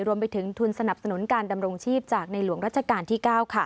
รวมไปถึงทุนสนับสนุนการดำรงชีพจากในหลวงรัชกาลที่๙